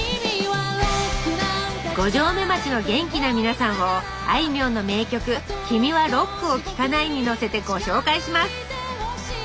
五城目町の元気な皆さんをあいみょんの名曲「君はロックを聴かない」にのせてご紹介します！